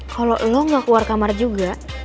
kalau lo gak keluar kamar juga